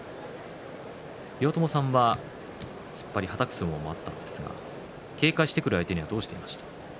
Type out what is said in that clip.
岩友さんは突っ張りやはたく相撲もあったんですが、警戒してくる相手にはどうしていいましたか。